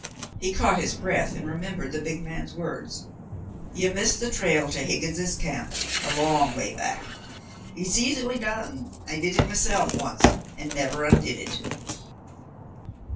He caught his breath, and remembered the big man's words. "You missed the trail to Higgins' Camp a long way back. It's easily done. I did it myself once, and never undid it."